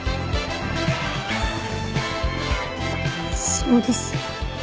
そうです。